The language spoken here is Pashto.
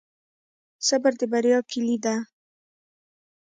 صبر د بریا کیلي ده.